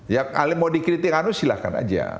yang kalian mau dikritik anu silahkan aja